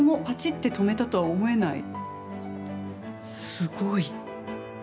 すごい。